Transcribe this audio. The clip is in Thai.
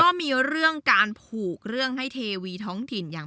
ก็มีเรื่องการผูกเรื่องให้เทวีท้องถิ่นอย่าง